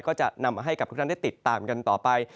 ก็จะนำมาให้กับทุกท่านได้ติดตามกันต่อไป